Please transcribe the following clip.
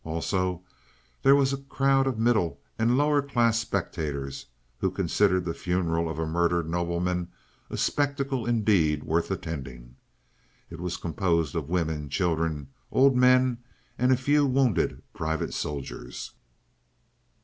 Also, there was a crowd of middle and lower class spectators who considered the funeral of a murdered nobleman a spectacle indeed worth attending. It was composed of women, children, old men, and a few wounded private soldiers.